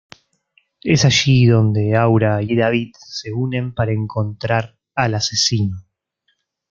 Es allí donde Aura y David se unen para encontrar al asesino.